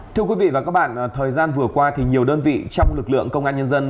thưa quý vị và các bạn thời gian vừa qua thì nhiều đơn vị trong lực lượng công an nhân dân